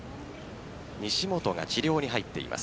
西本が治療に入っています。